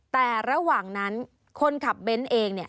แต่ระหว่างนั้นคนขับเบนเอง